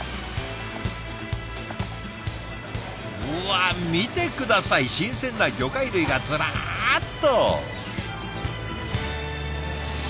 うわ見て下さい新鮮な魚介類がずらっと！